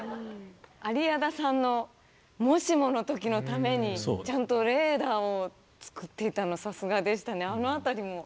有屋田さんのもしもの時のためにちゃんとレーダーを作っていたのさすがでしたね。